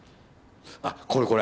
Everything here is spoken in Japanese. あっこれこれ！